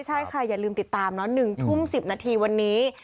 ใช่ค่ะอย่าลืมติดตามนะ๑ทุ่ม๑๐นาทีวันนี้